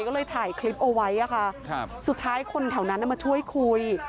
ก็เลยถ่ายคลิปเอาไว้ค่ะสุดท้ายคนแถวนั้นมาช่วยคุย